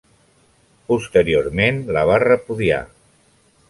Posteriorment la va repudiar.